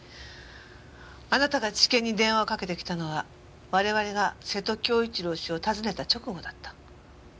あなたが地検に電話をかけてきたのは我々が瀬戸恭一郎氏を訪ねた直後だった。